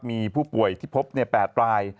มีผู้ป่วยที่พบ๘ราย